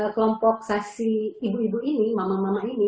kelompok sasi ibu ibu ini mama mama ini